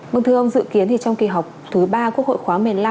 bác thưa ông dự kiến trong kỳ học thứ ba quốc hội khoáng một mươi năm